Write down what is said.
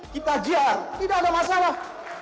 kita jiar tidak ada masalah